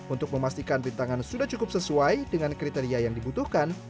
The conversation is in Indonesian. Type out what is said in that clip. untuk memastikan rintangan sudah cukup sesuai dengan kriteria yang dibutuhkan